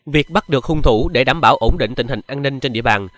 việc bắt được hung thủ để đảm bảo ổn định tình hình an ninh trên địa bàn